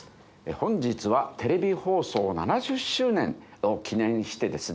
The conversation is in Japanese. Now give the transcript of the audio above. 本日はテレビ放送７０周年を記念してですね